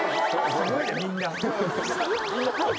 すごいねみんな。